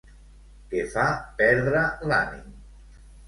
Què fa perdre l'ànim?